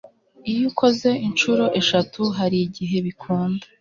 iyo ukoze Inshuro eshatu harigihe bikunda